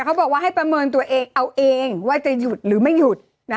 เขาบอกว่าให้ประเมินตัวเองเอาเองว่าจะหยุดหรือไม่หยุด